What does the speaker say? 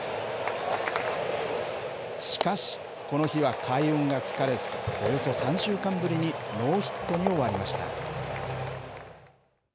しかし、この日は快音が聞かれず、およそ３週間ぶりにノーヒットに終わりました。